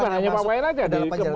ini bukan hanya pak wayan saja